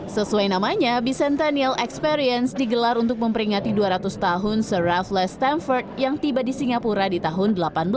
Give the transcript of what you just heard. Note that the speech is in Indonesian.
sesuai namanya bicentennial experience digelar untuk memperingati dua ratus tahun sir ralph l stamford yang tiba di singapura di tahun seribu delapan ratus sembilan belas